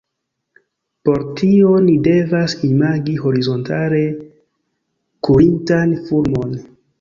Por tio ni devas imagi horizontale kurintan fulmon.